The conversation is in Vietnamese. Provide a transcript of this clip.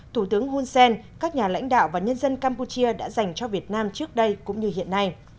thủ tướng hun sen các nhà lãnh đạo và nhân dân campuchia đã dành cho việt nam trước đây cũng như hiện nay